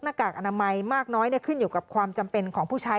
กากอนามัยมากน้อยขึ้นอยู่กับความจำเป็นของผู้ใช้